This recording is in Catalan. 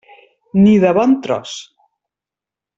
Ni de bon tros.